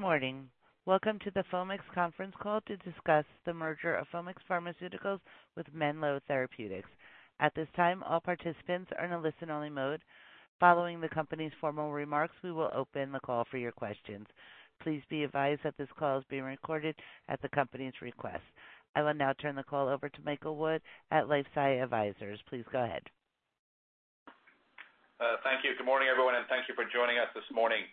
Good morning. Welcome to the Foamix conference call to discuss the merger of Foamix Pharmaceuticals with Menlo Therapeutics. At this time, all participants are in a listen-only mode. Following the company's formal remarks, we will open the call for your questions. Please be advised that this call is being recorded at the company's request. I will now turn the call over to Michael Wood at LifeSci Advisors. Please go ahead. Thank you. Good morning, everyone, and thank you for joining us this morning.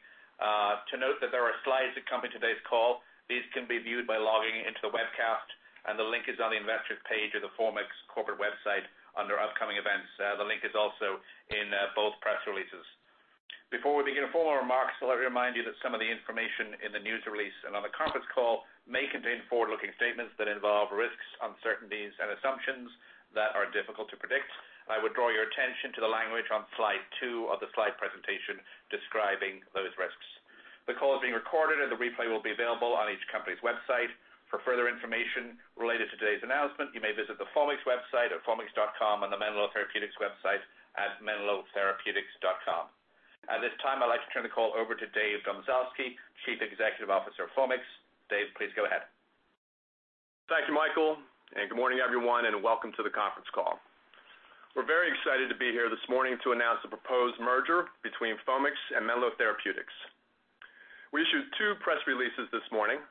To note that there are slides that come in today's call. These can be viewed by logging into the webcast, and the link is on the investor page of the Foamix corporate website under upcoming events. The link is also in both press releases. Before we begin formal remarks, let me remind you that some of the information in the news release and on the conference call may contain forward-looking statements that involve risks, uncertainties, and assumptions that are difficult to predict. I would draw your attention to the language on slide two of the slide presentation describing those risks. The call is being recorded, and the replay will be available on each company's website. For further information related to today's announcement, you may visit the Foamix website at foamix.com and the Menlo Therapeutics website at menlotherapeutics.com. At this time, I'd like to turn the call over to Dave Domzalski, Chief Executive Officer of Foamix. Dave, please go ahead. Thank you, Michael. Good morning, everyone, and welcome to the conference call. We're very excited to be here this morning to announce the proposed merger between Foamix and Menlo Therapeutics. We issued two press releases this morning,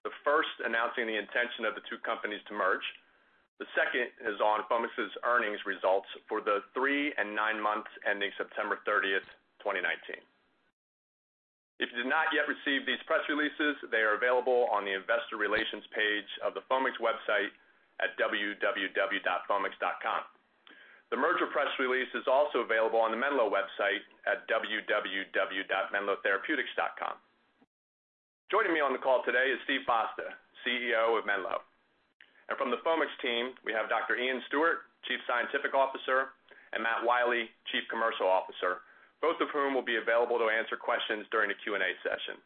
the first announcing the intention of the two companies to merge. The second is on Foamix's earnings results for the three and nine months ending September 30th, 2019. If you did not yet receive these press releases, they are available on the investor relations page of the Foamix website at www.foamix.com. The merger press release is also available on the Menlo website at www.menlotherapeutics.com. Joining me on the call today is Steve Foster, CEO of Menlo. From the Foamix team, we have Dr. Iain Stuart, Chief Scientific Officer, and Matt Wiley, Chief Commercial Officer, both of whom will be available to answer questions during the Q&A session.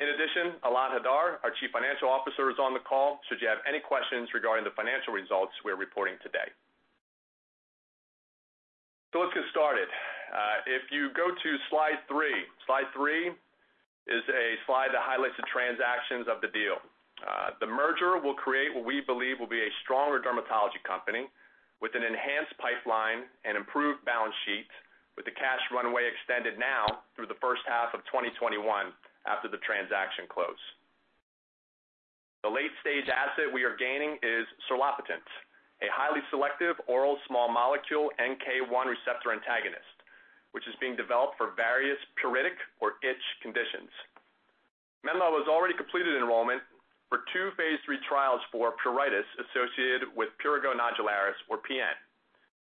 In addition, Ilan Hadar, our Chief Financial Officer, is on the call should you have any questions regarding the financial results we're reporting today. Let's get started. If you go to slide three, slide three is a slide that highlights the transactions of the deal. The merger will create what we believe will be a stronger dermatology company with an enhanced pipeline and improved balance sheet with the cash runway extended now through the first half of 2021 after the transaction close. The late-stage asset we are gaining is serlopitant, a highly selective oral small molecule NK1 receptor antagonist, which is being developed for various pruritic or itch conditions. Menlo has already completed enrollment for two phase III trials for pruritus associated with prurigo nodularis, or PN,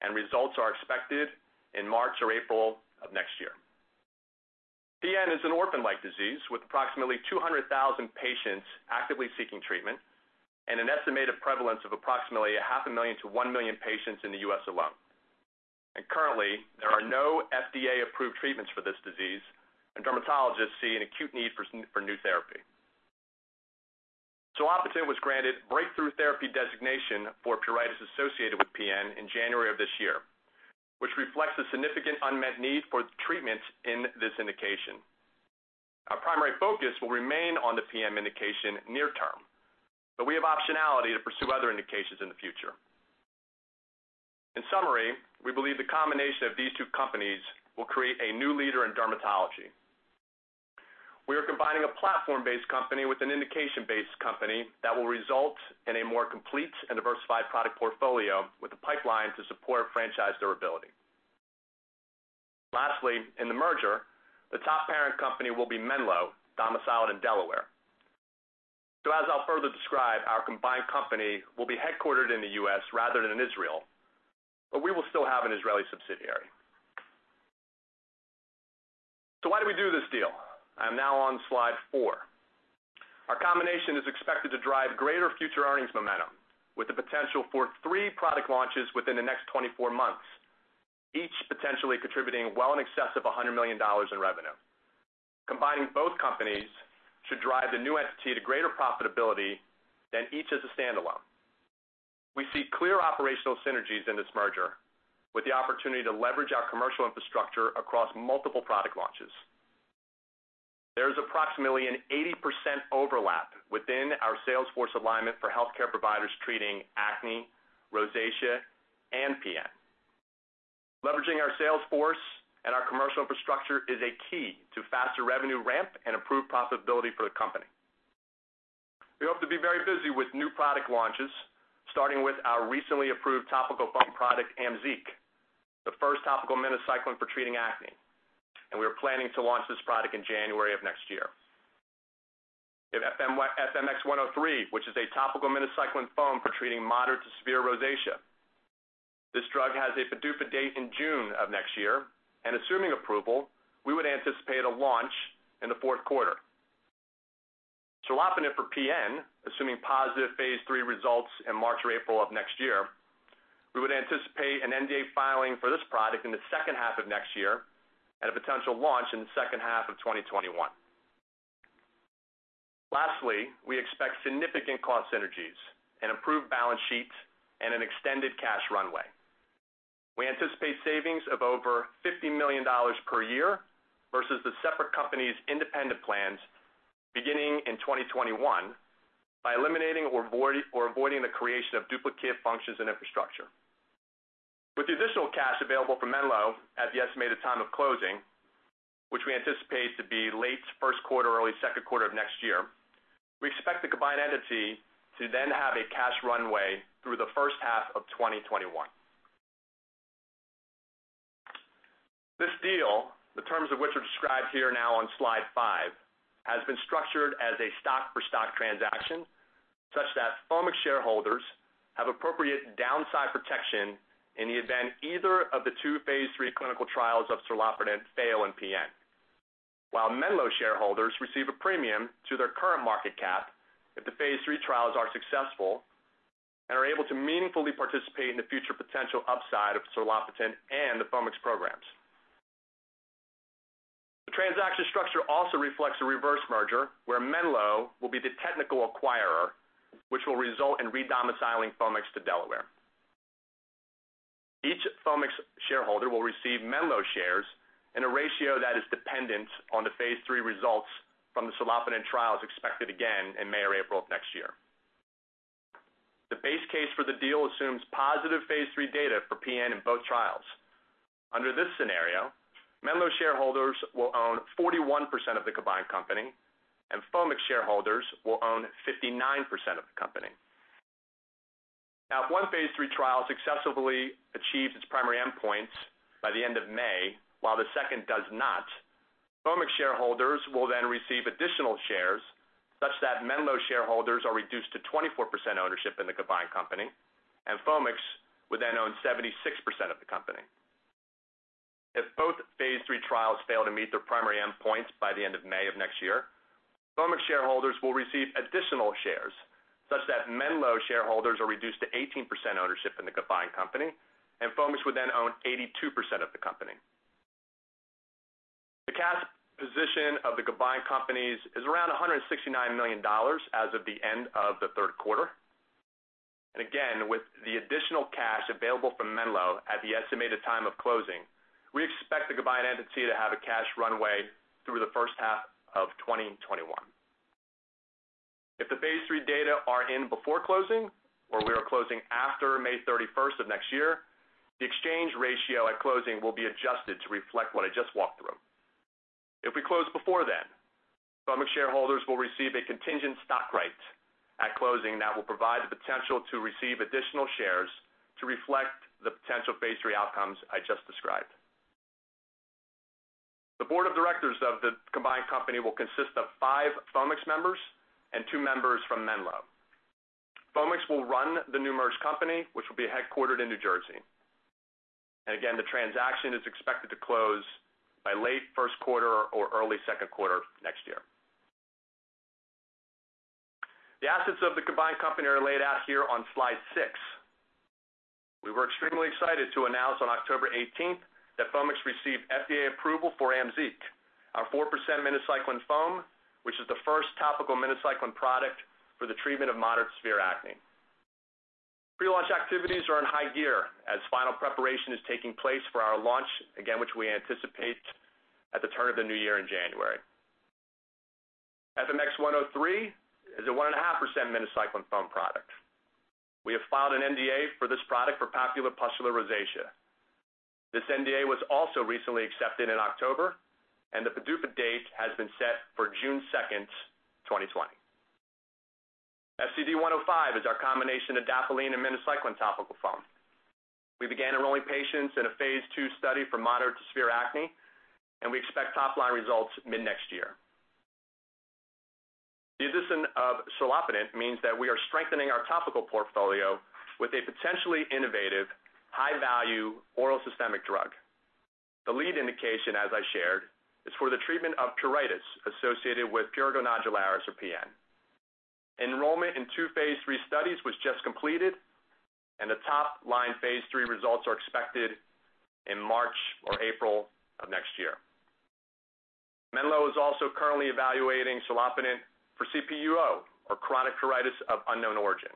and results are expected in March or April of next year. PN is an orphan-like disease with approximately 200,000 patients actively seeking treatment and an estimated prevalence of approximately half a million to one million patients in the U.S. alone. Currently, there are no FDA-approved treatments for this disease, and dermatologists see an acute need for new therapy. serlopitant was granted breakthrough therapy designation for pruritus associated with PN in January of this year, which reflects a significant unmet need for treatments in this indication. Our primary focus will remain on the PN indication near term, but we have optionality to pursue other indications in the future. In summary, we believe the combination of these two companies will create a new leader in dermatology. We are combining a platform-based company with an indication-based company that will result in a more complete and diversified product portfolio with a pipeline to support franchise durability. In the merger, the top parent company will be Menlo, domiciled in Delaware. As I'll further describe, our combined company will be headquartered in the U.S. rather than in Israel, but we will still have an Israeli subsidiary. Why do we do this deal? I'm now on slide four. Our combination is expected to drive greater future earnings momentum with the potential for three product launches within the next 24 months, each potentially contributing well in excess of $100 million in revenue. Combining both companies should drive the new entity to greater profitability than each as a standalone. We see clear operational synergies in this merger with the opportunity to leverage our commercial infrastructure across multiple product launches. There is approximately an 80% overlap within our sales force alignment for healthcare providers treating acne, rosacea, and PN. Leveraging our sales force and our commercial infrastructure is a key to faster revenue ramp and improved profitability for the company. We hope to be very busy with new product launches, starting with our recently approved topical pump product, AMZEEQ, the first topical minocycline for treating acne. We are planning to launch this product in January of next year. We have FMX103, which is a topical minocycline foam for treating moderate to severe rosacea. This drug has a PDUFA date in June of next year, and assuming approval, we would anticipate a launch in the fourth quarter. Serlopitant for PN, assuming positive phase III results in March or April of next year. We would anticipate an NDA filing for this product in the second half of next year and a potential launch in the second half of 2021. Lastly, we expect significant cost synergies, an improved balance sheet, and an extended cash runway. We anticipate savings of over $50 million per year versus the separate company's independent plans beginning in 2021 by eliminating or avoiding the creation of duplicate functions and infrastructure. With the additional cash available from Menlo at the estimated time of closing, which we anticipate to be late first quarter or early second quarter of next year, we expect the combined entity to then have a cash runway through the first half of 2021. This deal, the terms of which are described here now on slide five, has been structured as a stock-for-stock transaction, such that Foamix shareholders have appropriate downside protection in the event either of the two phase III clinical trials of serlopitant fail in PN. While Menlo shareholders receive a premium to their current market cap if the phase III trials are successful and are able to meaningfully participate in the future potential upside of serlopitant and the Foamix programs. The transaction structure also reflects a reverse merger, where Menlo will be the technical acquirer, which will result in re-domiciling Foamix to Delaware. Each Foamix shareholder will receive Menlo shares in a ratio that is dependent on the phase III results from the serlopitant trials expected again in May or April of next year. The base case for the deal assumes positive phase III data for PN in both trials. Under this scenario, Menlo shareholders will own 41% of the combined company, and Foamix shareholders will own 59% of the company. If one phase III trial successfully achieves its primary endpoints by the end of May, while the second does not, Foamix shareholders will then receive additional shares such that Menlo shareholders are reduced to 24% ownership in the combined company, and Foamix would then own 76% of the company. If both phase III trials fail to meet their primary endpoints by the end of May of next year, Foamix shareholders will receive additional shares such that Menlo shareholders are reduced to 18% ownership in the combined company, and Foamix would then own 82% of the company. The cash position of the combined companies is around $169 million as of the end of the third quarter. Again, with the additional cash available from Menlo at the estimated time of closing, we expect the combined entity to have a cash runway through the first half of 2021. If the phase III data are in before closing or we are closing after May 31st of next year, the exchange ratio at closing will be adjusted to reflect what I just walked through. If we close before then, Foamix shareholders will receive a contingent stock right at closing that will provide the potential to receive additional shares to reflect the potential phase III outcomes I just described. The board of directors of the combined company will consist of five Foamix members and two members from Menlo. Foamix will run the new merged company, which will be headquartered in New Jersey. Again, the transaction is expected to close by late first quarter or early second quarter of next year. The assets of the combined company are laid out here on slide six. We were extremely excited to announce on October 18th that Foamix received FDA approval for AMZEEQ, our 4% minocycline foam, which is the first topical minocycline product for the treatment of moderate to severe acne. Pre-launch activities are in high gear as final preparation is taking place for our launch, again, which we anticipate at the turn of the new year in January. FMX103 is a 1.5% minocycline foam product. We have filed an NDA for this product for papulopustular rosacea. This NDA was also recently accepted in October, and the PDUFA date has been set for June 2nd, 2020. FCD105 is our combination adapalene and minocycline topical foam. We began enrolling patients in a phase II study for moderate to severe acne, and we expect top-line results mid-next year. The addition of serlopitant means that we are strengthening our topical portfolio with a potentially innovative, high-value, oral systemic drug. The lead indication, as I shared, is for the treatment of pruritus associated with prurigo nodularis or PN. Enrollment in two phase III studies was just completed, and the top-line phase III results are expected in March or April of next year. Menlo is also currently evaluating serlopitant for CPUO or chronic pruritus of unknown origin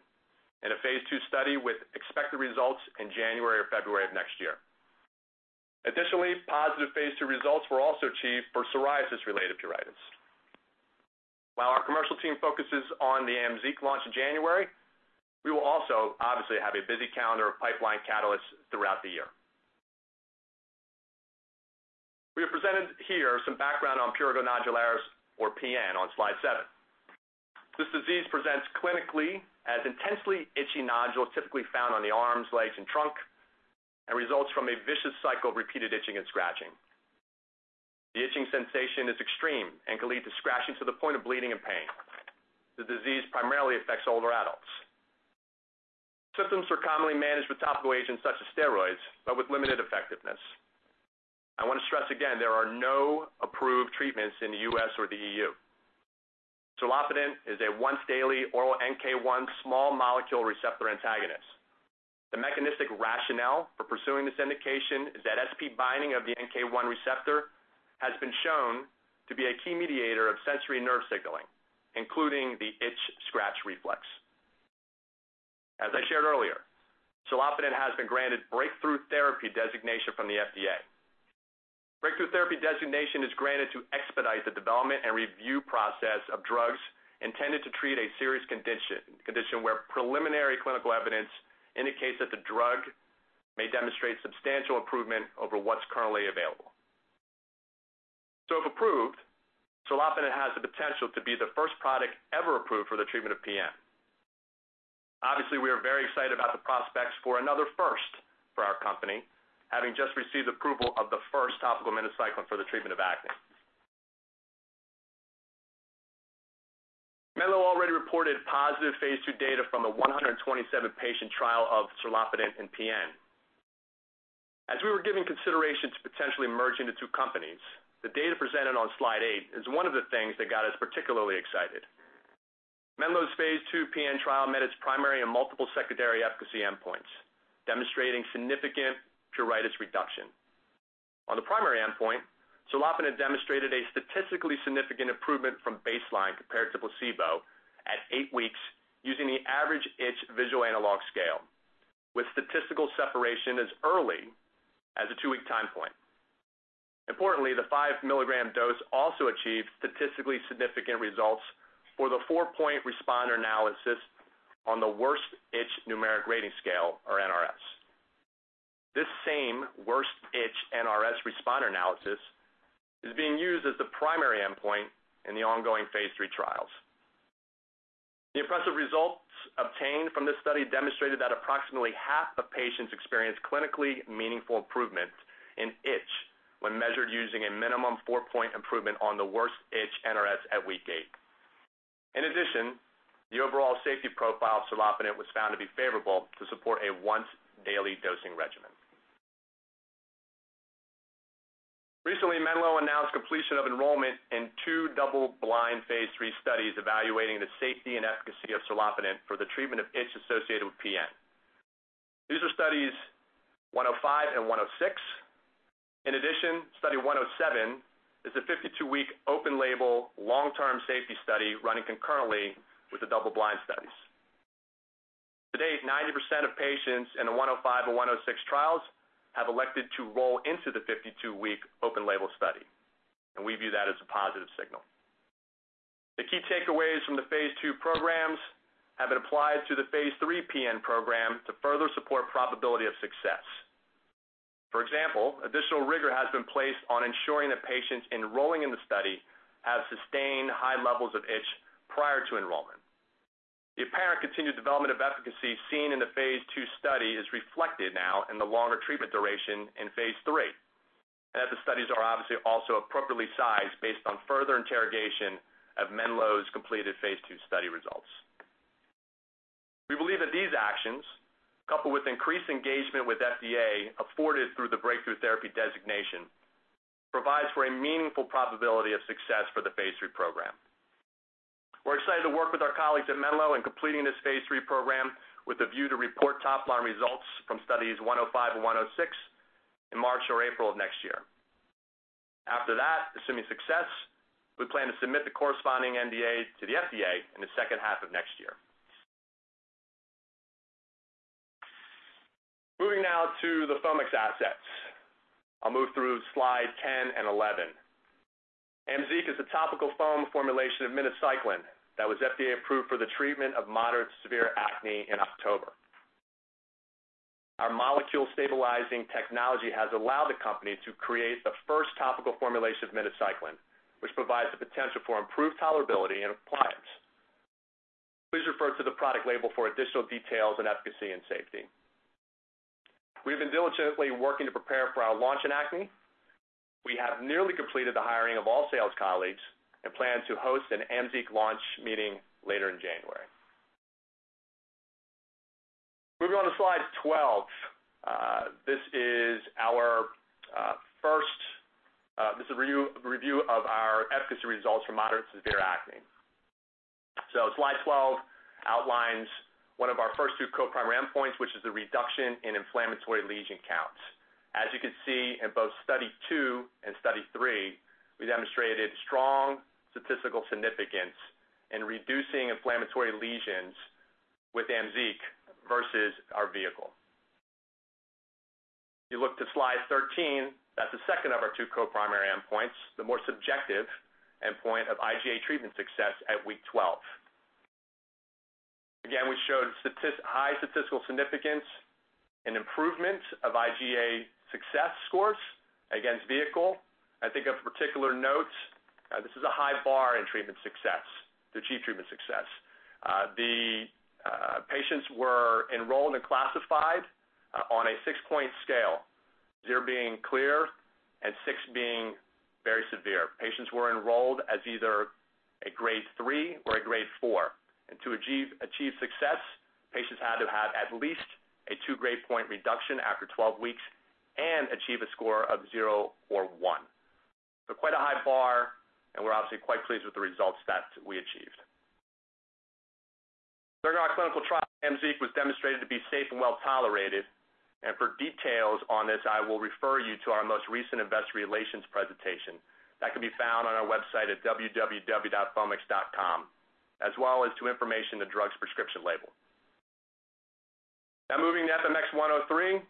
in a phase II study with expected results in January or February of next year. Additionally, positive phase II results were also achieved for psoriasis-related pruritus. While our commercial team focuses on the AMZEEQ launch in January, we will also obviously have a busy calendar of pipeline catalysts throughout the year. We have presented here some background on prurigo nodularis or PN on slide seven. This disease presents clinically as intensely itchy nodules typically found on the arms, legs, and trunk, and results from a vicious cycle of repeated itching and scratching. The itching sensation is extreme and can lead to scratching to the point of bleeding and pain. The disease primarily affects older adults. Symptoms are commonly managed with topical agents such as steroids, but with limited effectiveness. I want to stress again, there are no approved treatments in the U.S. or the EU. Serlopitant is a once-daily oral NK1 small molecule receptor antagonist. The mechanistic rationale for pursuing this indication is that SP binding of the NK1 receptor has been shown to be a key mediator of sensory nerve signaling, including the itch scratch reflex. As I shared earlier, serlopitant has been granted breakthrough therapy designation from the FDA. Breakthrough therapy designation is granted to expedite the development and review process of drugs intended to treat a serious condition where preliminary clinical evidence indicates that the drug may demonstrate substantial improvement over what's currently available. If approved, serlopitant has the potential to be the first product ever approved for the treatment of PN. Obviously, we are very excited about the prospects for another first for our company, having just received approval of the first topical minocycline for the treatment of acne. Menlo already reported positive phase II data from a 127-patient trial of serlopitant in PN. As we were giving consideration to potentially merging the two companies, the data presented on slide 8 is one of the things that got us particularly excited. Menlo's phase II PN trial met its primary and multiple secondary efficacy endpoints, demonstrating significant pruritus reduction. On the primary endpoint, serlopitant demonstrated a statistically significant improvement from baseline compared to placebo at 8 weeks using the average itch visual analog scale, with statistical separation as early as a 2-week time point. Importantly, the 5-milligram dose also achieved statistically significant results for the 4-point responder analysis on the worst itch numeric rating scale or NRS. This same worst itch NRS responder analysis is being used as the primary endpoint in the ongoing phase III trials. The impressive results obtained from this study demonstrated that approximately half the patients experienced clinically meaningful improvement in itch when measured using a minimum 4-point improvement on the worst itch NRS at week 8. In addition, the overall safety profile of serlopitant was found to be favorable to support a once daily dosing regimen. Recently, Menlo announced completion of enrollment in two double-blind phase III studies evaluating the safety and efficacy of serlopitant for the treatment of itch associated with PN. These are studies 105 and 106. Study 107 is a 52-week open label long-term safety study running concurrently with the double-blind studies. To date, 90% of patients in the 105 or 106 trials have elected to roll into the 52-week open label study, and we view that as a positive signal. The key takeaways from the phase II programs have been applied to the phase III PN program to further support probability of success. For example, additional rigor has been placed on ensuring that patients enrolling in the study have sustained high levels of itch prior to enrollment. The apparent continued development of efficacy seen in the phase II study is reflected now in the longer treatment duration in phase III, and that the studies are obviously also appropriately sized based on further interrogation of Menlo's completed phase II study results. We believe that these actions, coupled with increased engagement with FDA afforded through the breakthrough therapy designation, provides for a meaningful probability of success for the phase III program. We're excited to work with our colleagues at Menlo in completing this phase III program with a view to report top-line results from studies 105 and 106 in March or April of next year. After that, assuming success, we plan to submit the corresponding NDA to the FDA in the second half of next year. Moving now to the Foamix assets. I'll move through slide 10 and 11. AMZEEQ is a topical foam formulation of minocycline that was FDA approved for the treatment of moderate to severe acne in October. Our molecule-stabilizing technology has allowed the company to create the first topical formulation of minocycline, which provides the potential for improved tolerability and adherence. Please refer to the product label for additional details on efficacy and safety. We have been diligently working to prepare for our launch in acne. We have nearly completed the hiring of all sales colleagues and plan to host an AMZEEQ launch meeting later in January. Moving on to slide 12. This is a review of our efficacy results for moderate to severe acne. Slide 12 outlines one of our first two co-primary endpoints, which is a reduction in inflammatory lesion counts. As you can see in both study 2 and study 3, we demonstrated strong statistical significance in reducing inflammatory lesions with AMZEEQ versus our vehicle. You look to slide 13, that's the second of our two co-primary endpoints, the more subjective endpoint of IGA treatment success at week 12. We showed high statistical significance and improvement of IGA success scores against vehicle. I think of particular note, this is a high bar in treatment success, to achieve treatment success. The patients were enrolled and classified on a 6-point scale, 0 being clear and 6 being very severe. Patients were enrolled as either a grade 3 or a grade 4. To achieve success, patients had to have at least a 2-grade point reduction after 12 weeks and achieve a score of 0 or 1. Quite a high bar, and we're obviously quite pleased with the results that we achieved. Our clinical trial, AMZEEQ was demonstrated to be safe and well-tolerated. For details on this, I will refer you to our most recent investor relations presentation. That can be found on our website at www.foamix.com, as well as to information on the drug's prescription label. Moving to FMX103.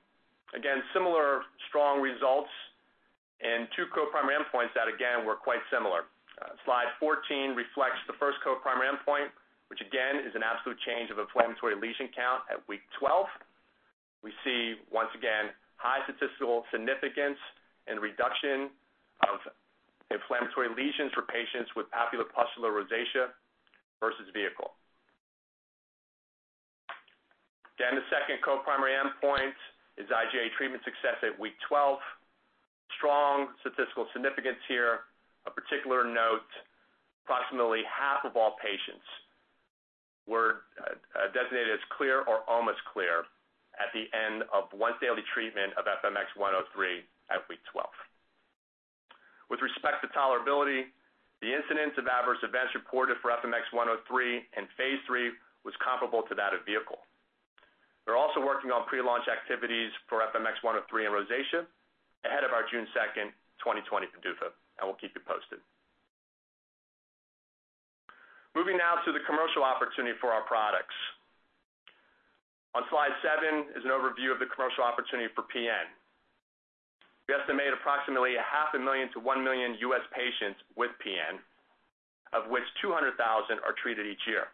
Similar strong results and two co-primary endpoints that, again, were quite similar. Slide 14 reflects the first co-primary endpoint, which again is an absolute change of inflammatory lesion count at week 12. We see, once again, high statistical significance and reduction of inflammatory lesions for patients with papulopustular rosacea versus vehicle. The second co-primary endpoint is IGA treatment success at week 12. Strong statistical significance here. Of particular note, approximately half of all patients were designated as clear or almost clear at the end of one daily treatment of FMX103 at week 12. With respect to tolerability, the incidence of adverse events reported for FMX103 in phase III was comparable to that of vehicle. We're also working on pre-launch activities for FMX103 and rosacea ahead of our June 2nd, 2020 PDUFA, and we'll keep you posted. Moving now to the commercial opportunity for our products. On slide seven is an overview of the commercial opportunity for PN. We estimate approximately a half a million to 1 million U.S. patients with PN, of which 200,000 are treated each year.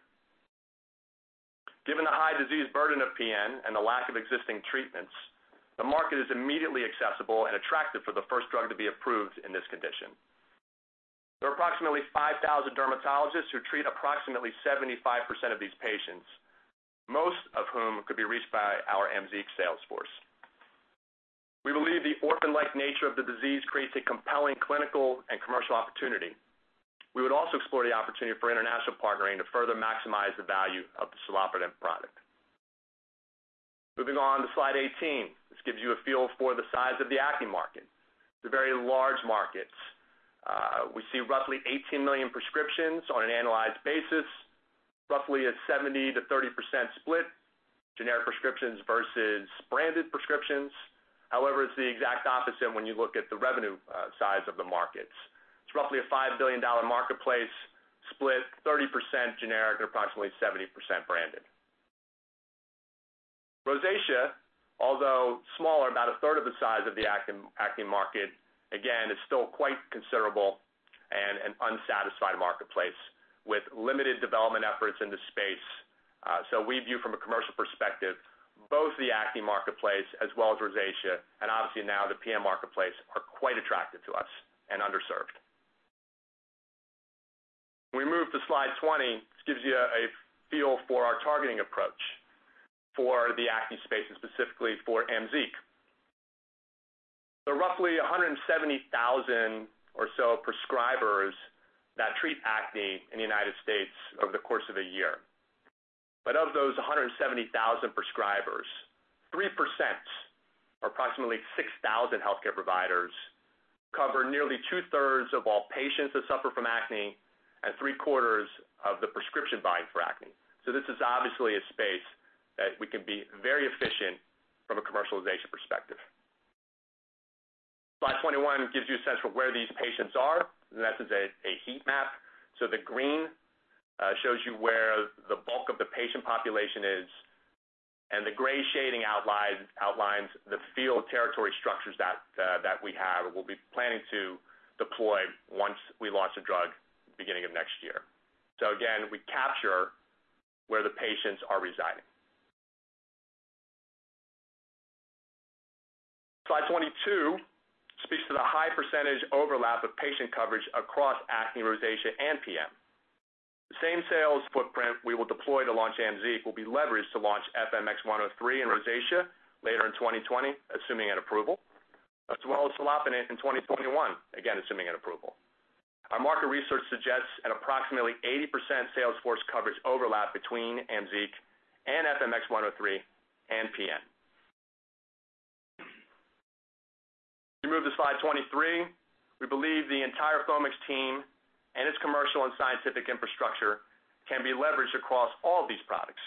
Given the high disease burden of PN and the lack of existing treatments, the market is immediately accessible and attractive for the first drug to be approved in this condition. There are approximately 5,000 dermatologists who treat approximately 75% of these patients, most of whom could be reached by our AMZEEQ sales force. We believe the orphan-like nature of the disease creates a compelling clinical and commercial opportunity. We would also explore the opportunity for international partnering to further maximize the value of the serlopitant product. Moving on to slide 18. This gives you a feel for the size of the acne market. It's a very large market. We see roughly 18 million prescriptions on an annualized basis. Roughly a 70%-30% split, generic prescriptions versus branded prescriptions. It's the exact opposite when you look at the revenue size of the markets. It's roughly a $5 billion marketplace split, 30% generic or approximately 70% branded. Rosacea, although smaller, about a third of the size of the acne market, again, is still quite considerable and an unsatisfied marketplace with limited development efforts in the space. We view from a commercial perspective, both the acne marketplace as well as rosacea, and obviously now the PN marketplace, are quite attractive to us and underserved. We move to slide 20. This gives you a feel for our targeting approach for the acne space and specifically for AMZEEQ. There are roughly 170,000 or so prescribers that treat acne in the United States over the course of a year. Of those 170,000 prescribers, 3%, or approximately 6,000 healthcare providers, cover nearly two-thirds of all patients that suffer from acne and three-quarters of the prescription buying for acne. This is obviously a space that we can be very efficient from a commercialization perspective. Slide 21 gives you a sense for where these patients are, and this is a heat map. The green shows you where the bulk of the patient population is, and the gray shading outlines the field territory structures that we have or will be planning to deploy once we launch the drug beginning of next year. Again, we capture where the patients are residing. Slide 22 speaks to the high percentage overlap of patient coverage across acne, rosacea, and PN. The same sales footprint we will deploy to launch AMZEEQ will be leveraged to launch FMX103 and rosacea later in 2020, assuming an approval, as well as serlopitant in 2021, again, assuming an approval. Our market research suggests an approximately 80% sales force coverage overlap between AMZEEQ and FMX103 and PN. We move to slide 23. We believe the entire Foamix team and its commercial and scientific infrastructure can be leveraged across all these products,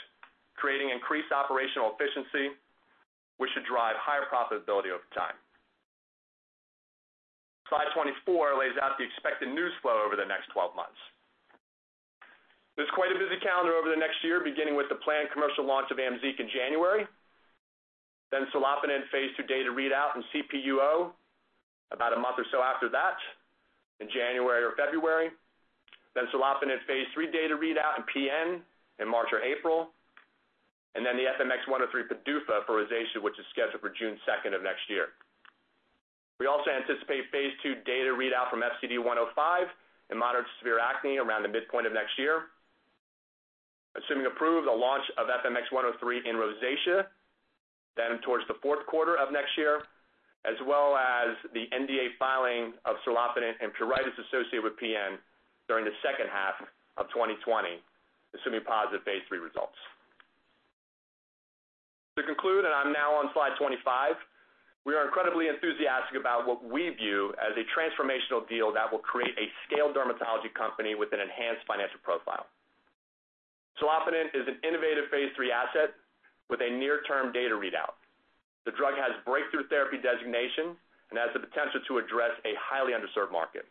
creating increased operational efficiency, which should drive higher profitability over time. Slide 24 lays out the expected news flow over the next 12 months. There's quite a busy calendar over the next year, beginning with the planned commercial launch of AMZEEQ in January, then serlopitant phase II data readout from CPUO about a month or so after that in January or February. Serlopitant phase III data readout in PN in March or April, and then the FMX103 PDUFA for rosacea, which is scheduled for June 2nd of next year. We also anticipate phase II data readout from FCD105 in moderate to severe acne around the midpoint of next year. Assuming approved, the launch of FMX103 in rosacea, then towards the fourth quarter of next year, as well as the NDA filing of serlopitant in pruritus associated with PN during the second half of 2020, assuming positive phase III results. To conclude, and I'm now on slide 25, we are incredibly enthusiastic about what we view as a transformational deal that will create a scaled dermatology company with an enhanced financial profile. Serlopitant is an innovative phase III asset with a near-term data readout. The drug has breakthrough therapy designation and has the potential to address a highly underserved market.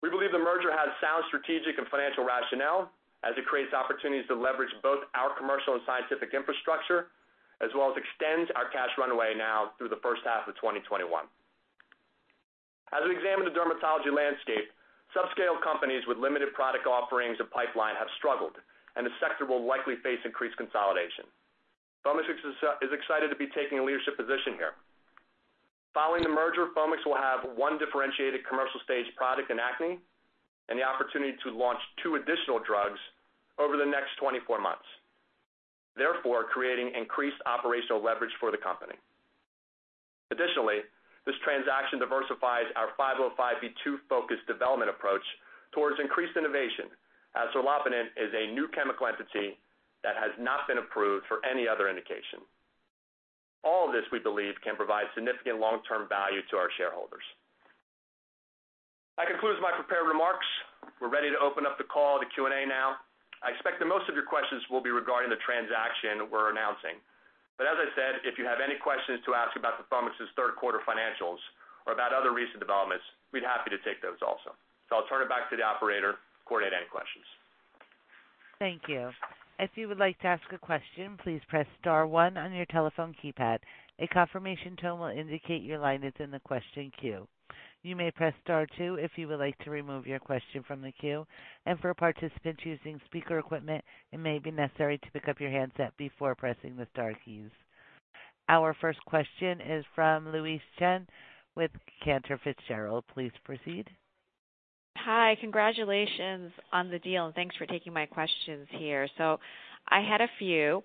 We believe the merger has sound strategic and financial rationale as it creates opportunities to leverage both our commercial and scientific infrastructure, as well as extends our cash runway now through the first half of 2021. As we examine the dermatology landscape, subscale companies with limited product offerings and pipeline have struggled, and the sector will likely face increased consolidation. Foamix is excited to be taking a leadership position here. Following the merger, Foamix will have one differentiated commercial-stage product in acne and the opportunity to launch two additional drugs over the next 24 months, therefore creating increased operational leverage for the company. Additionally, this transaction diversifies our 505(b)(2) focused development approach towards increased innovation, as serlopitant is a new chemical entity that has not been approved for any other indication. All of this, we believe, can provide significant long-term value to our shareholders. That concludes my prepared remarks. We're ready to open up the call to Q&A now. I expect that most of your questions will be regarding the transaction we're announcing, but as I said, if you have any questions to ask about the Foamix's third quarter financials or about other recent developments, we'd be happy to take those also. I'll turn it back to the operator to coordinate any questions. Thank you. If you would like to ask a question, please press star one on your telephone keypad. A confirmation tone will indicate your line is in the question queue. You may press star two if you would like to remove your question from the queue. For participants using speaker equipment, it may be necessary to pick up your handset before pressing the star keys. Our first question is from Louise Chen with Cantor Fitzgerald. Please proceed. Hi. Congratulations on the deal. Thanks for taking my questions here. I had a few.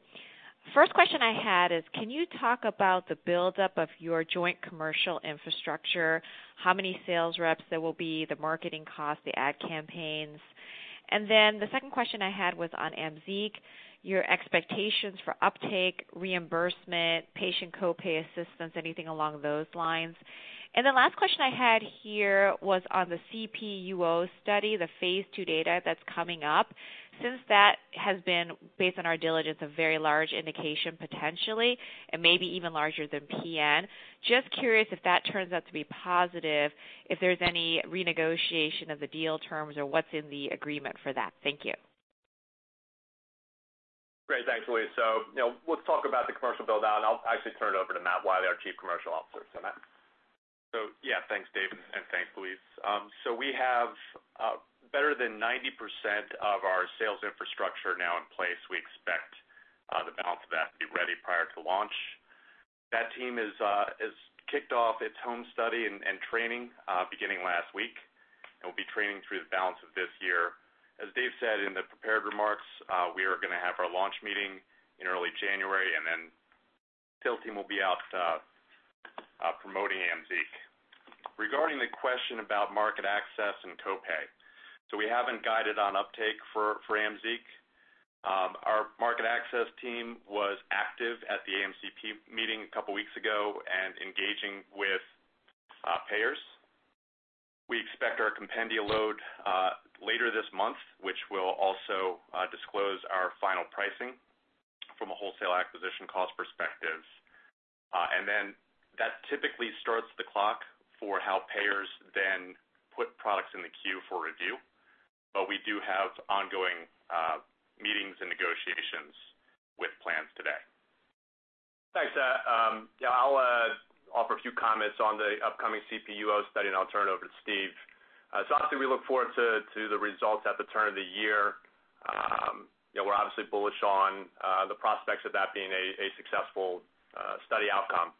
First question I had is, can you talk about the buildup of your joint commercial infrastructure, how many sales reps there will be, the marketing cost, the ad campaigns? The second question I had was on AMZEEQ, your expectations for uptake, reimbursement, patient co-pay assistance, anything along those lines. The last question I had here was on the CPUO study, the phase II data that's coming up. Since that has been based on our diligence, a very large indication, potentially, and maybe even larger than PN. Just curious if that turns out to be positive, if there's any renegotiation of the deal terms or what's in the agreement for that? Thank you. Great. Thanks, Louise. Let's talk about the commercial build-out, and I'll actually turn it over to Matt Wiley, our Chief Commercial Officer. Matt? Yeah, thanks, Dave, and thanks, Louise. We have better than 90% of our sales infrastructure now in place. We expect the balance of that to be ready prior to launch. That team has kicked off its home study and training beginning last week, and we'll be training through the balance of this year. As Dave said in the prepared remarks, we are going to have our launch meeting in early January, and then the sales team will be out promoting AMZEEQ. Regarding the question about market access and co-pay. We haven't guided on uptake for AMZEEQ. Our market access team was active at the AMCP meeting a couple of weeks ago and engaging with payers. We expect our compendia load later this month, which will also disclose our final pricing from a wholesale acquisition cost perspective. That typically starts the clock for how payers then put products in the queue for review. We do have ongoing meetings and negotiations with plans today. Thanks. I'll offer a few comments on the upcoming CPUO study, and I'll turn it over to Steve. Obviously, we look forward to the results at the turn of the year. We're obviously bullish on the prospects of that being a successful study outcome.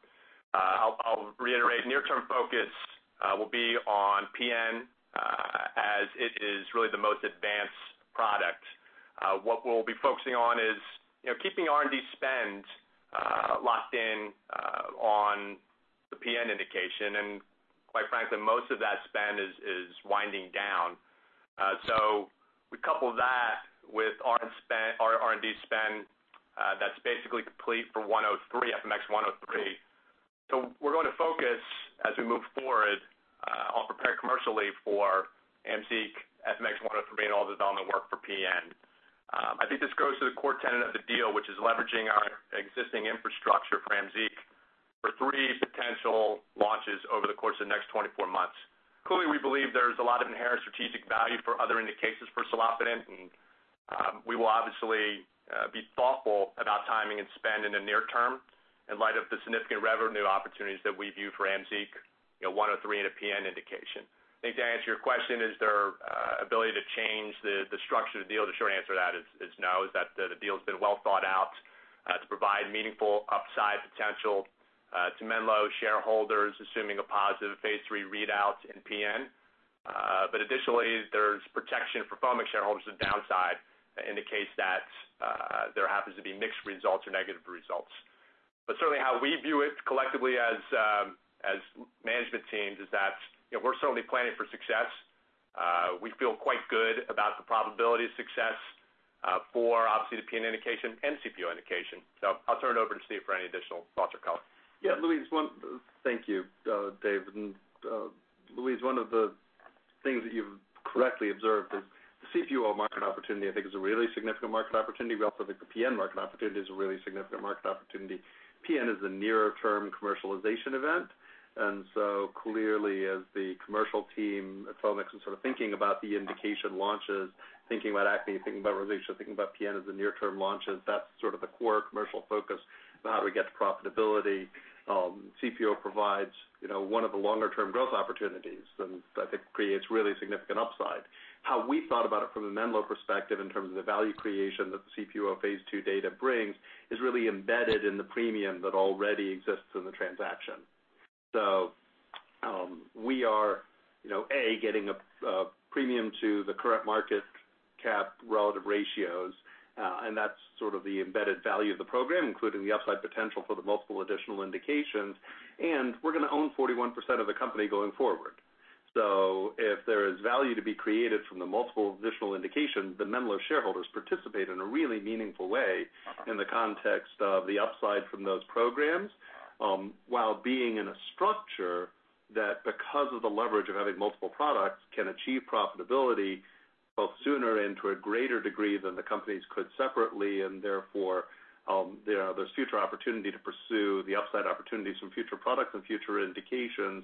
I'll reiterate, near-term focus will be on PN as it is really the most advanced product. What we'll be focusing on is keeping R&D spend locked in on the PN indication, and quite frankly, most of that spend is winding down. We couple that with our R&D spend that's basically complete for 103, FMX103. We're going to focus as we move forward on preparing commercially for AMZEEQ, FMX103, and all the development work for PN. I think this goes to the core tenet of the deal, which is leveraging our existing infrastructure for AMZEEQ for three potential launches over the course of the next 24 months. Clearly, we believe there's a lot of inherent strategic value for other indications for serlopitant, we will obviously be thoughtful about timing and spend in the near term in light of the significant revenue opportunities that we view for AMZEEQ, FMX103, and a PN indication. I think to answer your question, is there ability to change the structure of the deal? The short answer to that is no, is that the deal's been well thought out to provide meaningful upside potential to Menlo shareholders, assuming a positive phase III readout in PN. Additionally, there's protection for Foamix shareholders of downside in the case that there happens to be mixed results or negative results. Certainly how we view it collectively as management teams is that we're certainly planning for success. We feel quite good about the probability of success for obviously the PN indication and CPUO indication. I'll turn it over to Steve for any additional thoughts or color. Yeah. Thank you, Dave. Louise, one of the things that you've correctly observed is the CPUO market opportunity, I think, is a really significant market opportunity. We also think the PN market opportunity is a really significant market opportunity. PN is the nearer-term commercialization event. Clearly as the commercial team at Foamix is sort of thinking about the indication launches, thinking about acne, thinking about rosacea, thinking about PN as the near-term launches, that's sort of the core commercial focus on how we get to profitability. CPUO provides one of the longer-term growth opportunities and I think creates really significant upside. How we thought about it from the Menlo perspective in terms of the value creation that the CPUO phase II data brings is really embedded in the premium that already exists in the transaction. We are, A, getting a premium to the current market cap relative ratios. That's sort of the embedded value of the program, including the upside potential for the multiple additional indications. We're going to own 41% of the company going forward. If there is value to be created from the multiple additional indications, the Menlo shareholders participate in a really meaningful way in the context of the upside from those programs while being in a structure that, because of the leverage of having multiple products, can achieve profitability both sooner and to a greater degree than the companies could separately, and therefore, there's future opportunity to pursue the upside opportunities from future products and future indications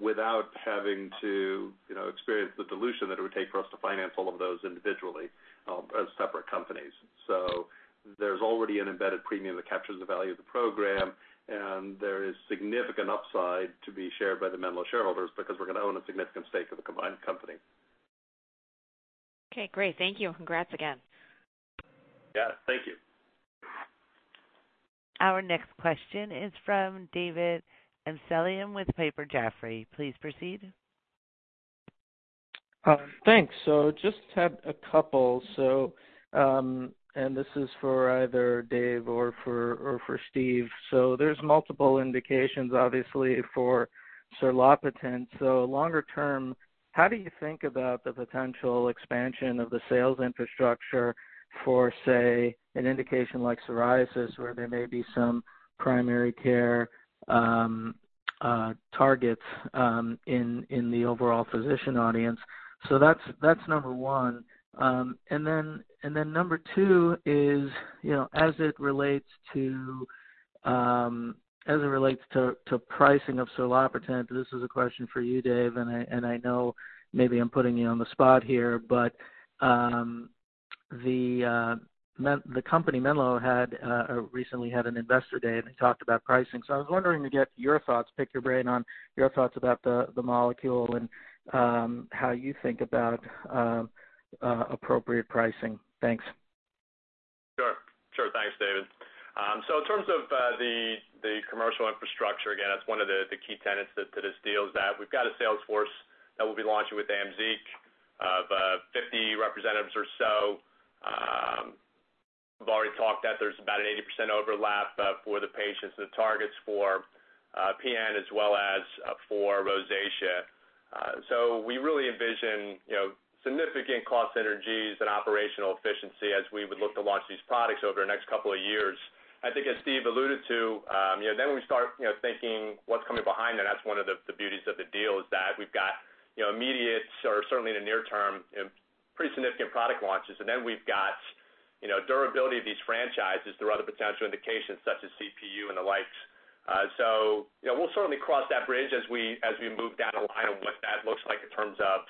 without having to experience the dilution that it would take for us to finance all of those individually as separate companies. There's already an embedded premium that captures the value of the program, and there is significant upside to be shared by the Menlo shareholders because we're going to own a significant stake of the combined company. Okay, great. Thank you. Congrats again. Yeah. Thank you. Our next question is from David Amsellem with Piper Jaffray. Please proceed. Thanks. Just have a couple. This is for either Dave or for Steve. There's multiple indications, obviously, for serlopitant. Longer term, how do you think about the potential expansion of the sales infrastructure for, say, an indication like psoriasis where there may be some primary care targets in the overall physician audience? That's number one. Number two is, as it relates to pricing of serlopitant, this is a question for you, Dave, and I know maybe I'm putting you on the spot here, but the company Menlo recently had an investor day and they talked about pricing. I was wondering to get your thoughts, pick your brain on your thoughts about the molecule and how you think about appropriate pricing. Thanks. Sure. Thanks, David. In terms of the commercial infrastructure, again, that's one of the key tenets to this deal is that we've got a sales force that we'll be launching with AMZEEQ of 50 representatives or so. We've already talked that there's about an 80% overlap for the patients, the targets for PN as well as for rosacea. We really envision significant cost synergies and operational efficiency as we would look to launch these products over the next couple of years. I think as Steve alluded to, we start thinking what's coming behind that. That's one of the beauties of the deal is that we've got immediate or certainly in the near term, pretty significant product launches. We've got durability of these franchises through other potential indications such as CPUO and the likes. We'll certainly cross that bridge as we move down the line of what that looks like in terms of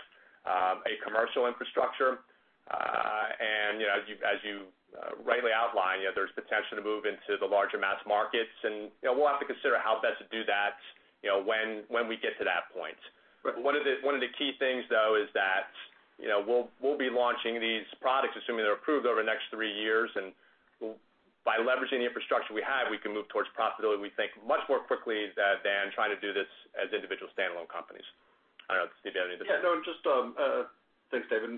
a commercial infrastructure. As you rightly outlined, there's potential to move into the larger mass markets, and we'll have to consider how best to do that when we get to that point. One of the key things, though, is that we'll be launching these products, assuming they're approved over the next three years. By leveraging the infrastructure we have, we can move towards profitability, we think, much more quickly than trying to do this as individual standalone companies. I don't know, Steve, do you have anything to add? Thanks, David.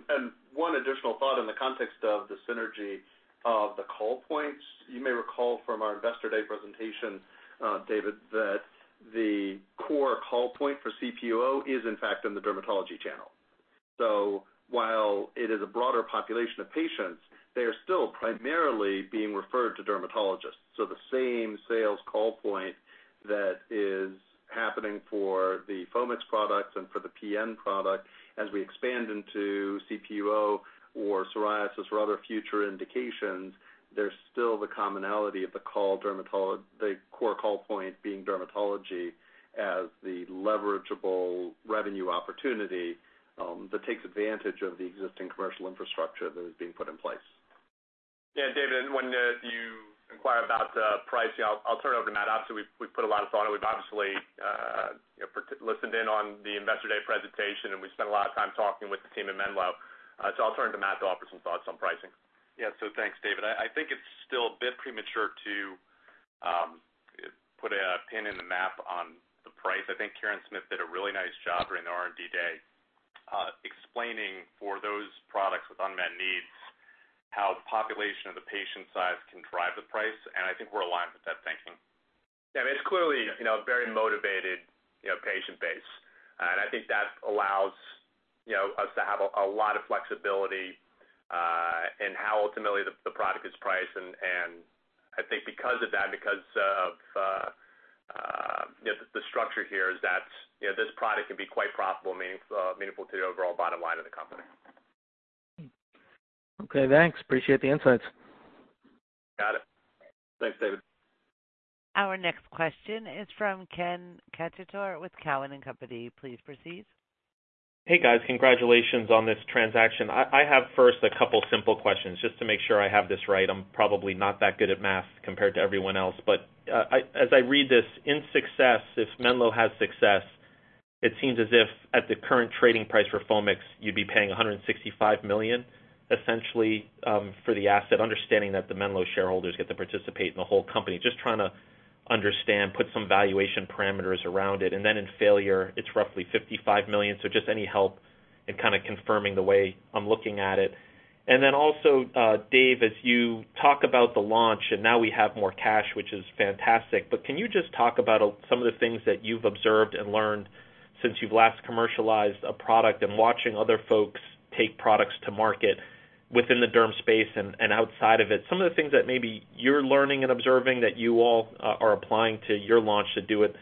One additional thought in the context of the synergy of the call points. You may recall from our investor day presentation, David, that the core call point for CPUO is in fact in the dermatology channel. While it is a broader population of patients, they are still primarily being referred to dermatologists. The same sales call point that is happening for the Foamix products and for the PN product as we expand into CPUO or psoriasis or other future indications, there's still the commonality of the core call point being dermatology as the leverageable revenue opportunity that takes advantage of the existing commercial infrastructure that is being put in place. Yeah. David, when you inquire about pricing, I'll turn it over to Matt. Obviously, we've put a lot of thought and we've obviously listened in on the investor day presentation, and we've spent a lot of time talking with the team at Menlo. I'll turn to Matt to offer some thoughts on pricing. Yeah. Thanks, David. I think it's still a bit premature to put a pin in the map on the price. I think Karen Smith did a really nice job during the R&D day explaining for those products with unmet needs How the population of the patient size can drive the price. I think we're aligned with that thinking. Yeah. It's clearly a very motivated patient base. I think that allows us to have a lot of flexibility in how ultimately the product is priced. I think because of that, because of the structure here is that this product can be quite profitable, meaningful to the overall bottom line of the company. Okay, thanks. Appreciate the insights. Got it. Thanks, David. Our next question is from Ken Cacciatore with Cowen and Company. Please proceed. Hey, guys. Congratulations on this transaction. I have first a couple simple questions just to make sure I have this right. I'm probably not that good at math compared to everyone else, but as I read this, in success, if Menlo has success, it seems as if at the current trading price for Foamix, you'd be paying $165 million, essentially, for the asset, understanding that the Menlo shareholders get to participate in the whole company. Just trying to understand, put some valuation parameters around it. In failure, it's roughly $55 million. Just any help in kind of confirming the way I'm looking at it. Dave, as you talk about the launch, and now we have more cash, which is fantastic, but can you just talk about some of the things that you've observed and learned since you've last commercialized a product and watching other folks take products to market within the derm space and outside of it? Some of the things that maybe you're learning and observing that you all are applying to your launch to do it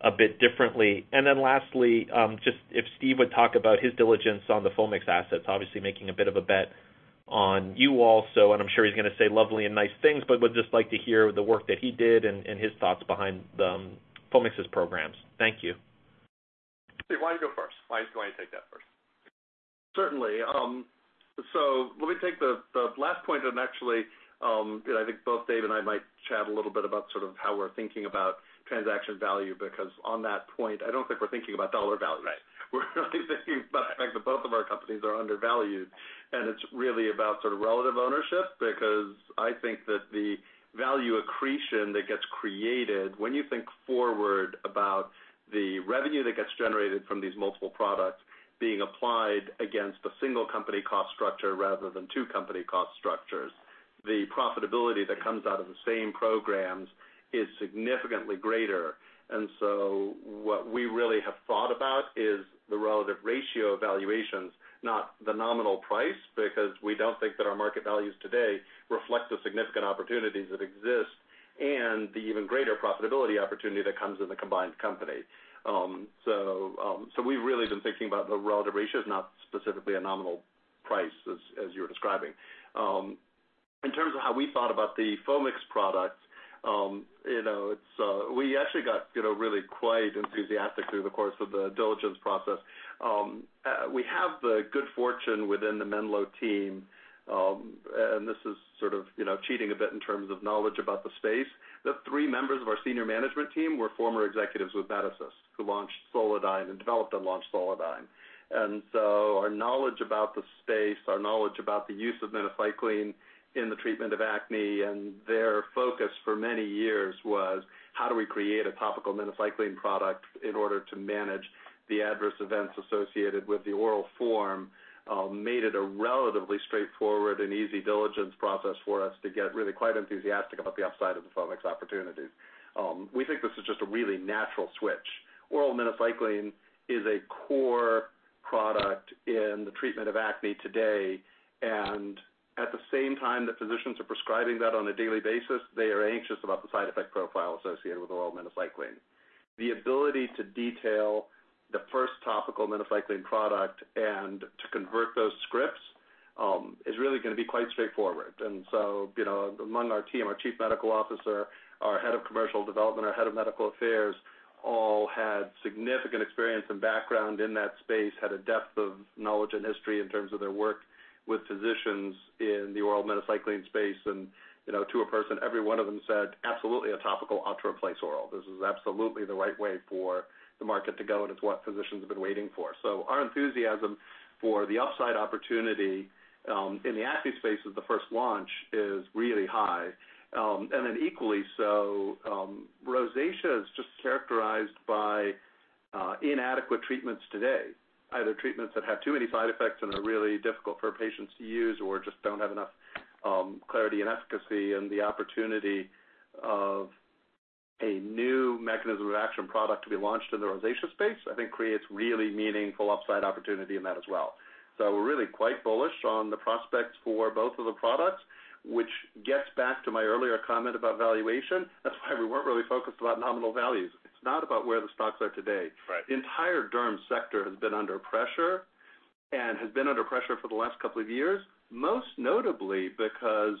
a bit differently. Just if Steve would talk about his diligence on the Foamix assets, obviously making a bit of a bet on you all. I'm sure he's going to say lovely and nice things, but would just like to hear the work that he did and his thoughts behind Foamix's programs. Thank you. Steve, why don't you go first? Why don't you go ahead and take that first? Certainly. Let me take the last point and actually, I think both Dave and I might chat a little bit about sort of how we're thinking about transaction value, because on that point, I don't think we're thinking about dollar value. Right. We're really thinking about the fact that both of our companies are undervalued. It's really about sort of relative ownership, because I think that the value accretion that gets created when you think forward about the revenue that gets generated from these multiple products being applied against a single company cost structure rather than two company cost structures, the profitability that comes out of the same programs is significantly greater. What we really have thought about is the relative ratio evaluations, not the nominal price, because we don't think that our market values today reflect the significant opportunities that exist and the even greater profitability opportunity that comes in the combined company. We've really been thinking about the relative ratios, not specifically a nominal price, as you're describing. In terms of how we thought about the Foamix products, we actually got really quite enthusiastic through the course of the diligence process. We have the good fortune within the Menlo team, and this is sort of cheating a bit in terms of knowledge about the space. The three members of our senior management team were former executives with Medicis, who launched SOLODYN and developed and launched SOLODYN. Our knowledge about the space, our knowledge about the use of minocycline in the treatment of acne and their focus for many years was how do we create a topical minocycline product in order to manage the adverse events associated with the oral form, made it a relatively straightforward and easy diligence process for us to get really quite enthusiastic about the upside of the Foamix opportunity. We think this is just a really natural switch. Oral minocycline is a core product in the treatment of acne today. At the same time that physicians are prescribing that on a daily basis, they are anxious about the side effect profile associated with oral minocycline. The ability to detail the first topical minocycline product and to convert those scripts, is really going to be quite straightforward. Among our team, our chief medical officer, our head of commercial development, our head of medical affairs, all had significant experience and background in that space, had a depth of knowledge and history in terms of their work with physicians in the oral minocycline space. To a person, every one of them said, "Absolutely, a topical ought to replace oral. This is absolutely the right way for the market to go, and it's what physicians have been waiting for. Our enthusiasm for the upside opportunity in the acne space as the first launch is really high. Equally so, rosacea is just characterized by inadequate treatments today, either treatments that have too many side effects and are really difficult for patients to use or just don't have enough clarity and efficacy and the opportunity of a new mechanism of action product to be launched in the rosacea space, I think creates really meaningful upside opportunity in that as well. We're really quite bullish on the prospects for both of the products, which gets back to my earlier comment about valuation. That's why we weren't really focused about nominal values. It's not about where the stocks are today. Right. The entire derm sector has been under pressure and has been under pressure for the last couple of years, most notably because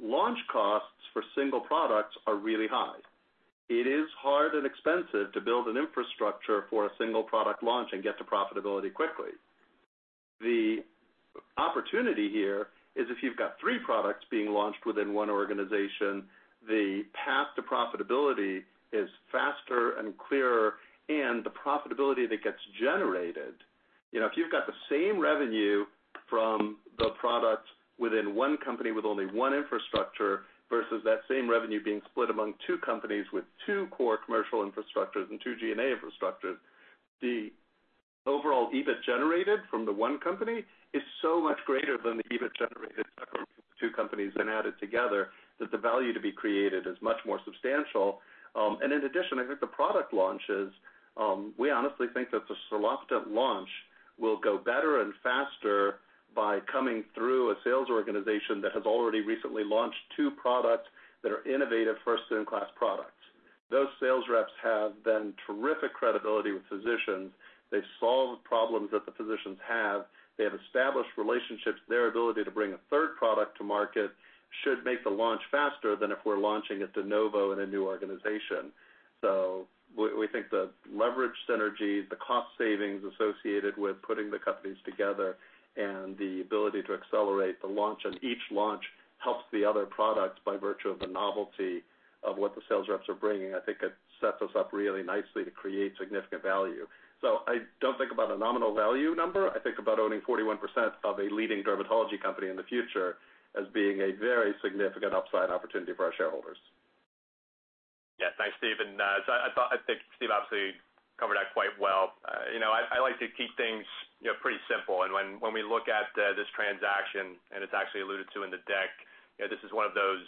launch costs for single products are really high. It is hard and expensive to build an infrastructure for a single product launch and get to profitability quickly. The opportunity here is if you've got three products being launched within one organization, the path to profitability is faster and clearer, and the profitability that gets generated. If you've got the same revenue from the products within one company with only one infrastructure versus that same revenue being split among two companies with two core commercial infrastructures and two G&A infrastructures, the overall EBIT generated from the one company is so much greater than the EBIT generated from two companies then added together, that the value to be created is much more substantial. In addition, I think the product launches, we honestly think that the Serlopitant launch will go better and faster by coming through a sales organization that has already recently launched two products that are innovative first-in-class products. Those sales reps have then terrific credibility with physicians. They've solved problems that the physicians have. They have established relationships. Their ability to bring a third product to market should make the launch faster than if we're launching a de novo in a new organization. We think the leverage synergies, the cost savings associated with putting the companies together, and the ability to accelerate the launch of each launch helps the other product by virtue of the novelty of what the sales reps are bringing. I think it sets us up really nicely to create significant value. I don't think about a nominal value number. I think about owning 41% of a leading dermatology company in the future as being a very significant upside opportunity for our shareholders. Yes. Thanks, Steve. I think Steve obviously covered that quite well. I like to keep things pretty simple. When we look at this transaction, it's actually alluded to in the deck, this is one of those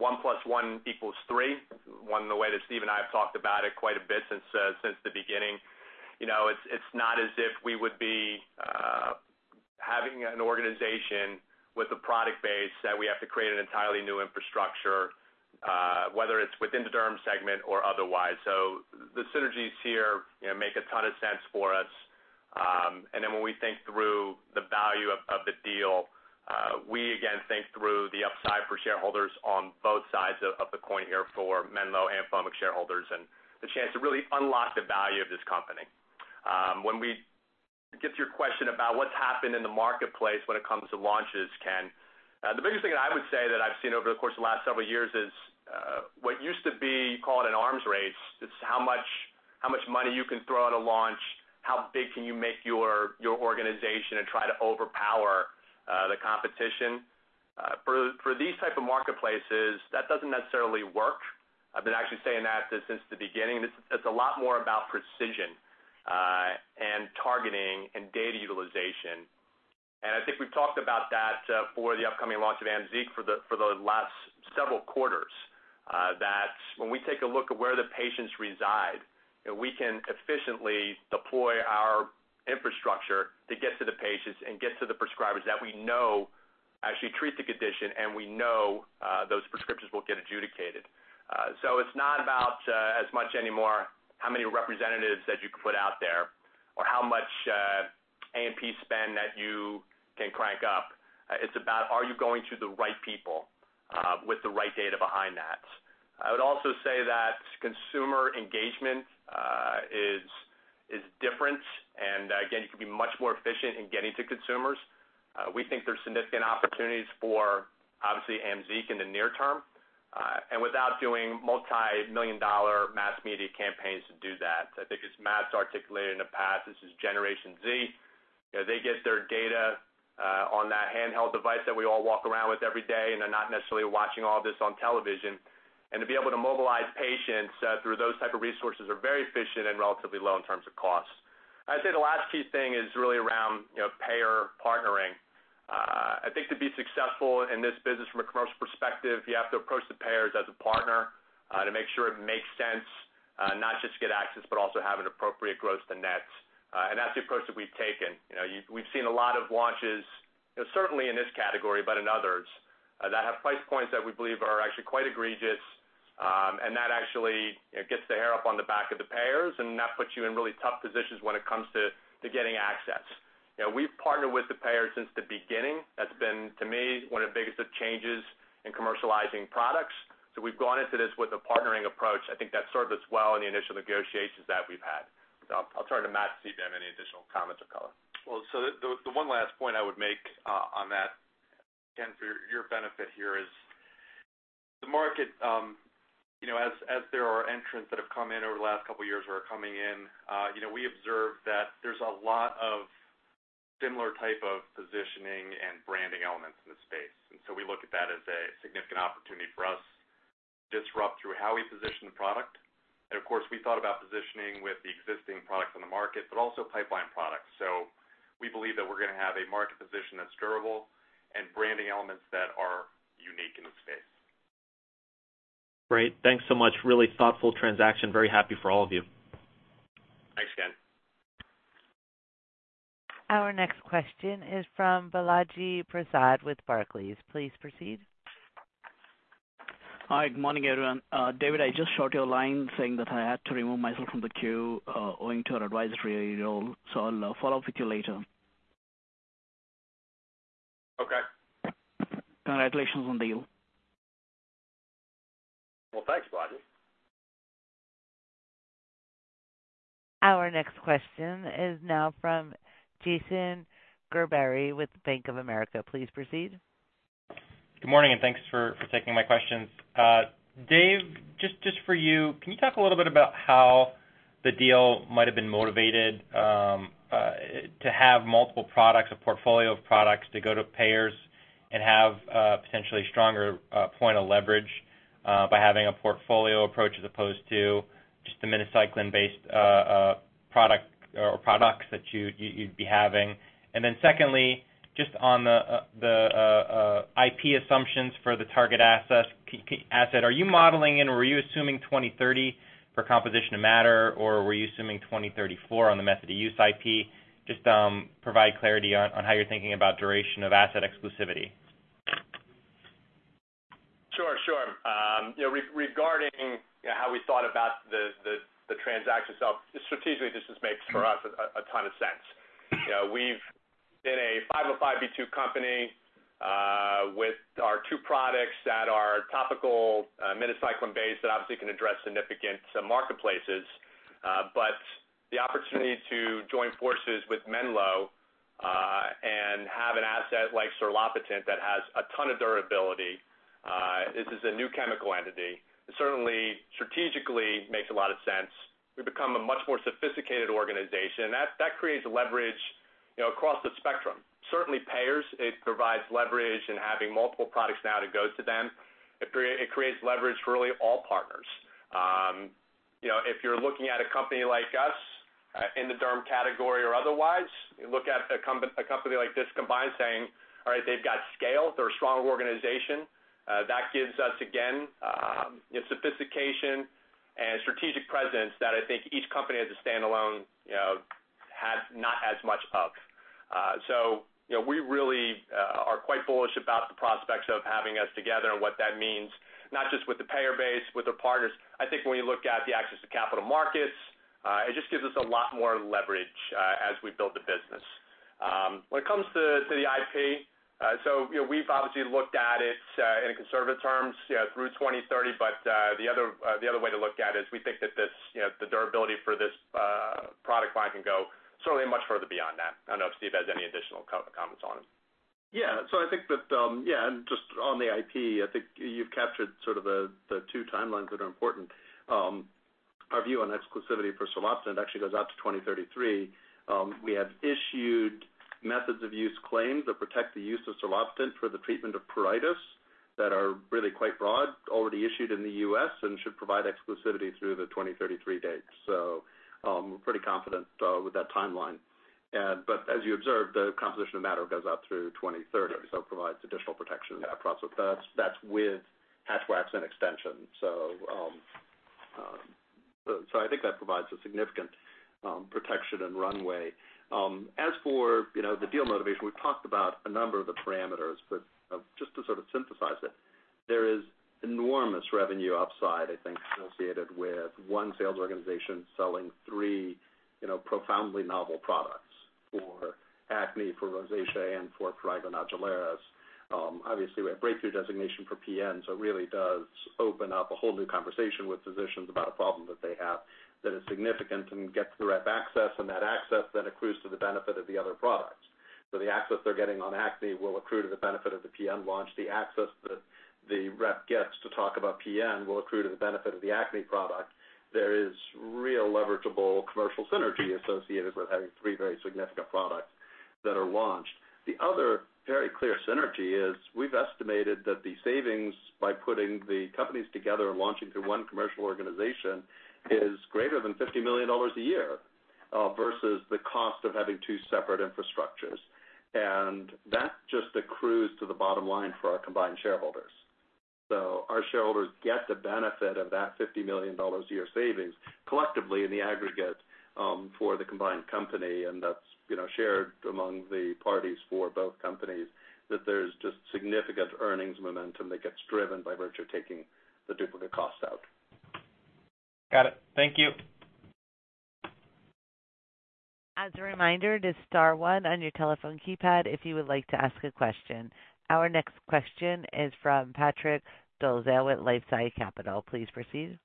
one plus one equals three, the way that Steve and I have talked about it quite a bit since the beginning. It's not as if we would be having an organization with a product base that we have to create an entirely new infrastructure, whether it's within the derm segment or otherwise. The synergies here make a ton of sense for us. When we think through the value of the deal, we again think through the upside for shareholders on both sides of the coin here for Menlo and Foamix shareholders and the chance to really unlock the value of this company. When we get to your question about what's happened in the marketplace when it comes to launches, Ken, the biggest thing that I would say that I've seen over the course of the last several years is what used to be called an arms race. It's how much money you can throw at a launch, how big can you make your organization and try to overpower the competition. For these type of marketplaces, that doesn't necessarily work. I've been actually saying that since the beginning. It's a lot more about precision and targeting and data utilization. I think we've talked about that for the upcoming launch of AMZEEQ for the last several quarters, that when we take a look at where the patients reside, we can efficiently deploy our infrastructure to get to the patients and get to the prescribers that we know actually treat the condition, and we know those prescriptions will get adjudicated. It's not about as much anymore how many representatives that you can put out there or how much A&P spend that you can crank up. It's about are you going to the right people with the right data behind that. I would also say that consumer engagement is different. Again, you can be much more efficient in getting to consumers. We think there's significant opportunities for obviously AMZEEQ in the near term, without doing multi-million dollar mass media campaigns to do that. I think as Matt's articulated in the past, this is Generation Z. They get their data on that handheld device that we all walk around with every day, and they're not necessarily watching all this on television. To be able to mobilize patients through those type of resources are very efficient and relatively low in terms of costs. I'd say the last key thing is really around payer partnering. I think to be successful in this business from a commercial perspective, you have to approach the payers as a partner to make sure it makes sense, not just to get access, but also have an appropriate gross to net. That's the approach that we've taken. We've seen a lot of launches, certainly in this category, but in others that have price points that we believe are actually quite egregious, and that actually gets the hair up on the back of the payers, and that puts you in really tough positions when it comes to getting access. We've partnered with the payers since the beginning. That's been, to me, one of the biggest changes in commercializing products. We've gone into this with a partnering approach. I think that served us well in the initial negotiations that we've had. I'll turn to Matt to see if you have any additional comments or color. The one last point I would make on that, Ken, for your benefit here is the market, as there are entrants that have come in over the last couple of years or are coming in, we observed that there's a lot of similar type of positioning and branding elements in the space. We look at that as a significant opportunity for us to disrupt through how we position the product. Of course, we thought about positioning with the existing products on the market, but also pipeline products. We believe that we're going to have a market position that's durable and branding elements that are unique in the space. Great. Thanks so much. Really thoughtful transaction. Very happy for all of you. Thanks, Ken. Our next question is from Balaji Prasad with Barclays. Please proceed. Hi, good morning, everyone. David, I just short your line saying that I had to remove myself from the queue owing to an advisory role. I'll follow up with you later. Okay. Congratulations on the deal. Well, thanks, Balaji. Our next question is now from Jason Gerberry with Bank of America. Please proceed. Good morning. Thanks for taking my questions. Dave, just for you, can you talk a little bit about how the deal might have been motivated byTo have multiple products, a portfolio of products to go to payers and have a potentially stronger point of leverage by having a portfolio approach as opposed to just a minocycline-based product or products that you'd be having. Secondly, just on the IP assumptions for the target asset, are you modeling in or were you assuming 2030 for composition of matter or were you assuming 2034 on the method of use IP? Just provide clarity on how you're thinking about duration of asset exclusivity. Sure. Regarding how we thought about the transaction itself, strategically this just makes for us a ton of sense. We've been a 505(b)(2) company with our two products that are topical minocycline base that obviously can address significant marketplaces. The opportunity to join forces with Menlo, and have an asset like serlopitant that has a ton of durability, this is a new chemical entity. It certainly strategically makes a lot of sense. We've become a much more sophisticated organization. That creates leverage across the spectrum. Certainly payers, it provides leverage in having multiple products now to go to them. It creates leverage for really all partners. If you're looking at a company like us in the derm category or otherwise, you look at a company like this combined saying, all right, they've got scale, they're a strong organization. That gives us, again, sophistication and strategic presence that I think each company as a standalone, not as much of. We really are quite bullish about the prospects of having us together and what that means, not just with the payer base, with the partners. I think when you look at the access to capital markets, it just gives us a lot more leverage as we build the business. When it comes to the IP, so we've obviously looked at it in conservative terms through 2030, but the other way to look at it is we think that the durability for this product line can go certainly much further beyond that. I don't know if Steve has any additional comments on it. I think that, just on the IP, I think you've captured sort of the two timelines that are important. Our view on exclusivity for serlopitant actually goes out to 2033. We have issued methods of use claims that protect the use of serlopitant for the treatment of pruritus that are really quite broad, already issued in the U.S., and should provide exclusivity through the 2033 date. We're pretty confident with that timeline. As you observed, the composition of matter goes out through 2030, provides additional protection in that process. That's with Hatch-Waxman extension. I think that provides a significant protection and runway. As for the deal motivation, we've talked about a number of the parameters, but just to sort of synthesize it, there is enormous revenue upside, I think, associated with one sales organization selling three profoundly novel products for acne, for rosacea, and for prurigo nodularis. Obviously, we have breakthrough designation for PN. It really does open up a whole new conversation with physicians about a problem that they have that is significant and gets the rep access, and that access then accrues to the benefit of the other products. The access they're getting on acne will accrue to the benefit of the PN launch. The access that the rep gets to talk about PN will accrue to the benefit of the acne product. There is real leverageable commercial synergy associated with having three very significant products that are launched. The other very clear synergy is we've estimated that the savings by putting the companies together and launching through one commercial organization is greater than $50 million a year, versus the cost of having two separate infrastructures. That just accrues to the bottom line for our combined shareholders. Our shareholders get the benefit of that $50 million a year savings collectively in the aggregate for the combined company, and that's shared among the parties for both companies, that there's just significant earnings momentum that gets driven by virtue of taking the duplicate cost out. Got it. Thank you. As a reminder, just star one on your telephone keypad if you would like to ask a question. Our next question is from Patrick Dolezal with LifeSci Capital. Please proceed.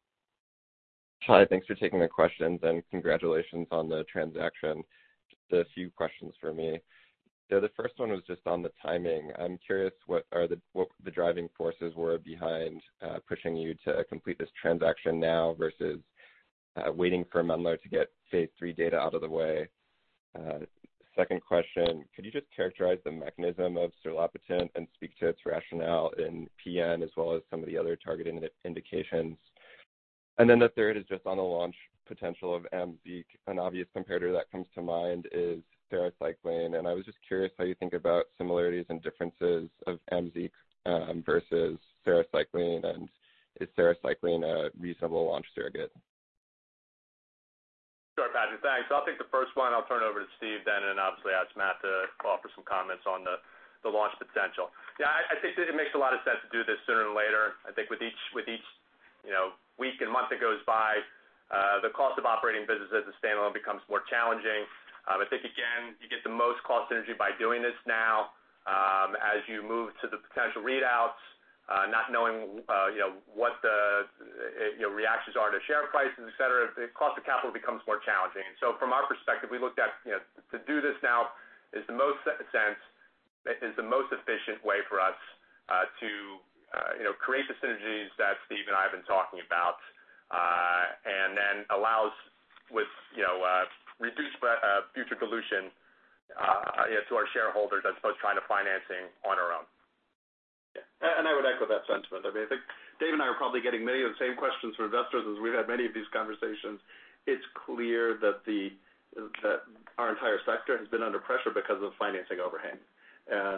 Hi, thanks for taking the questions and congratulations on the transaction. Just a few questions from me. The first one was just on the timing. I'm curious what the driving forces were behind pushing you to complete this transaction now versus waiting for Menlo to get phase III data out of the way. Second question, could you just characterize the mechanism of serlopitant and speak to its rationale in PN as well as some of the other targeted indications? The third is just on the launch potential of AMZEEQ. An obvious comparator that comes to mind is sarecycline, I was just curious how you think about similarities and differences of AMZEEQ versus sarecycline, is sarecycline a reasonable launch surrogate? Sure, Patrick, thanks. I'll take the first one. I'll turn it over to Steve then, and obviously ask Matt to offer some comments on the launch potential. Yeah, I think that it makes a lot of sense to do this sooner than later. I think with each week and month that goes by, the cost of operating business as a standalone becomes more challenging. I think, again, you get the most cost synergy by doing this now. As you move to the potential readouts, not knowing what the reactions are to share prices, et cetera, the cost of capital becomes more challenging. From our perspective, we looked at to do this now is the most efficient way for us to Create the synergies that Steve and I have been talking about, and then allows with reduced future dilution to our shareholders as opposed to financing on our own. Yeah. I would echo that sentiment. I think Dave and I are probably getting many of the same questions from investors as we've had many of these conversations. It's clear that our entire sector has been under pressure because of financing overhang.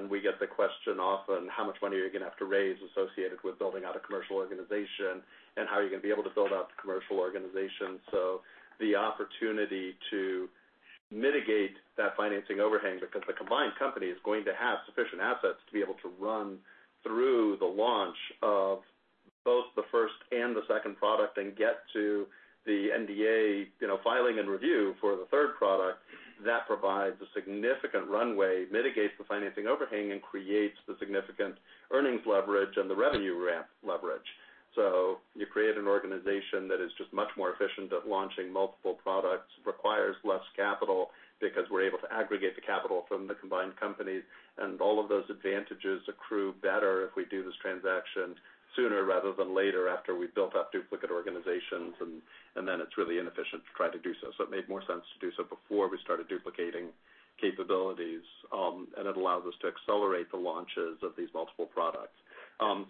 We get the question often, how much money are you going to have to raise associated with building out a commercial organization? How are you going to be able to build out the commercial organization? The opportunity to mitigate that financing overhang, because the combined company is going to have sufficient assets to be able to run through the launch of both the first and the second product and get to the NDA filing and review for the third product. That provides a significant runway, mitigates the financing overhang, and creates the significant earnings leverage and the revenue ramp leverage. You create an organization that is just much more efficient at launching multiple products, requires less capital because we're able to aggregate the capital from the combined companies, and all of those advantages accrue better if we do this transaction sooner rather than later, after we've built out duplicate organizations, and then it's really inefficient to try to do so. It made more sense to do so before we started duplicating capabilities. It allows us to accelerate the launches of these multiple products.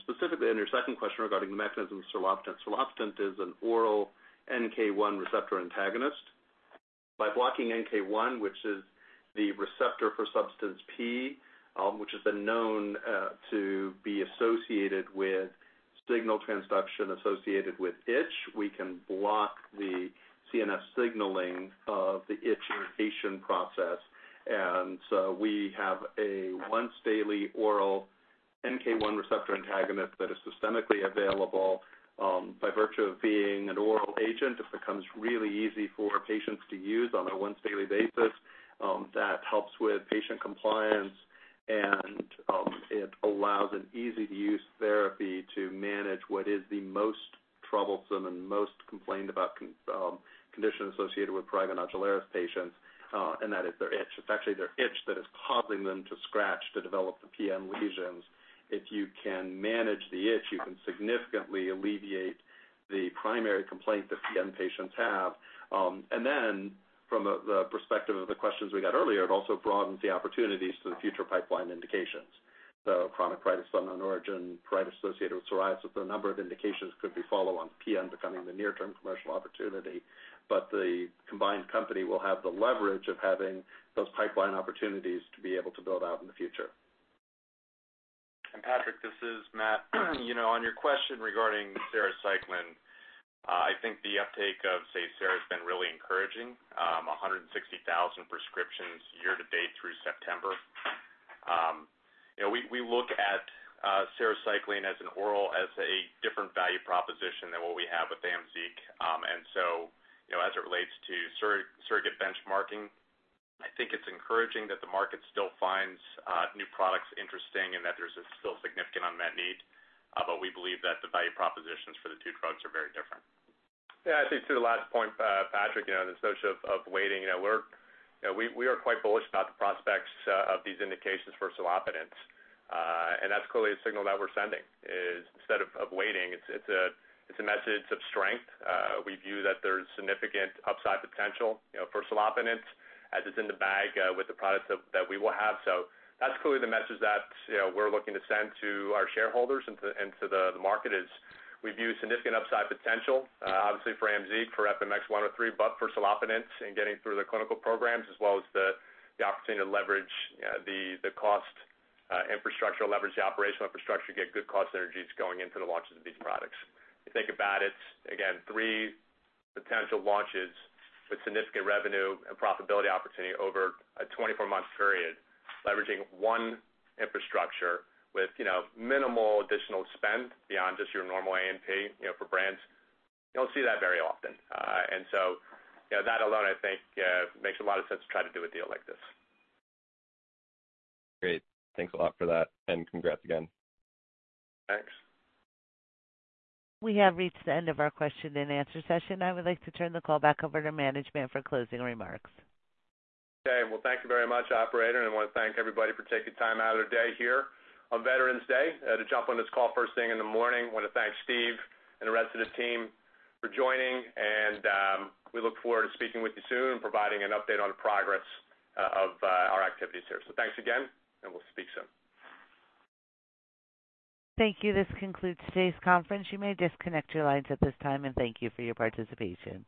Specifically, on your second question regarding the mechanism of serlopitant. serlopitant is an oral NK1 receptor antagonist. By blocking NK1, which is the receptor for substance P, which has been known to be associated with signal transduction associated with itch, we can block the CNS signaling of the itch and abrasion process. We have a once-daily oral NK1 receptor antagonist that is systemically available. By virtue of being an oral agent, it becomes really easy for patients to use on a once-daily basis. That helps with patient compliance, and it allows an easy-to-use therapy to manage what is the most troublesome and most complained about condition associated with prurigo nodularis patients, and that is their itch. It's actually their itch that is causing them to scratch to develop the PN lesions. If you can manage the itch, you can significantly alleviate the primary complaint that PN patients have. From the perspective of the questions we got earlier, it also broadens the opportunities for the future pipeline indications. Chronic pruritus of unknown origin, pruritus associated with psoriasis, a number of indications could be follow on PN becoming the near term commercial opportunity. The combined company will have the leverage of having those pipeline opportunities to be able to build out in the future. And Patrick, this is Matt. On your question regarding sarecycline, I think the uptake of SEYSARA has been really encouraging. 160,000 prescriptions year to date through September. We look at sarecycline as an oral, as a different value proposition than what we have with AMZEEQ. So as it relates to surrogate benchmarking, I think it's encouraging that the market still finds new products interesting and that there's a still significant unmet need. We believe that the value propositions for the two drugs are very different. Yeah. I think to the last point, Patrick, the notion of waiting, we are quite bullish about the prospects of these indications for serlopitant. That's clearly a signal that we're sending is instead of waiting, it's a message of strength. We view that there's significant upside potential for serlopitant as it's in the bag with the products that we will have. That's clearly the message that we're looking to send to our shareholders and to the market is we view significant upside potential obviously for AMZEEQ, for FMX103, but for serlopitant in getting through the clinical programs as well as the opportunity to leverage the cost infrastructure, leverage the operational infrastructure, get good cost synergies going into the launches of these products. If you think about it, again, three potential launches with significant revenue and profitability opportunity over a 24-month period, leveraging one infrastructure with minimal additional spend beyond just your normal A&P for brands. You don't see that very often. That alone, I think makes a lot of sense to try to do a deal like this. Great. Thanks a lot for that, and congrats again. Thanks. We have reached the end of our question and answer session. I would like to turn the call back over to management for closing remarks. Okay. Well, thank you very much, operator, and want to thank everybody for taking time out of their day here on Veterans Day to jump on this call first thing in the morning. Want to thank Steve and the rest of the team for joining, and we look forward to speaking with you soon and providing an update on the progress of our activities here. Thanks again, and we'll speak soon. Thank you. This concludes today's conference. You may disconnect your lines at this time, and thank you for your participation.